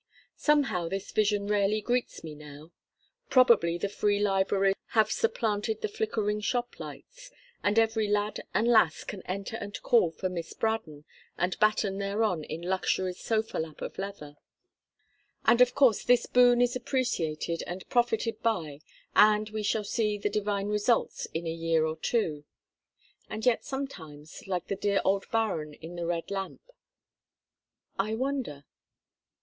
Somehow this vision rarely greets me now. Probably the Free Libraries have supplanted the flickering shop lights; and every lad and lass can enter and call for Miss Braddon and batten thereon "in luxury's sofa lap of leather"; and of course this boon is appreciated and profited by, and we shall see the divine results in a year or two. And yet sometimes, like the dear old Baron in the "Red Lamp," "I wonder?"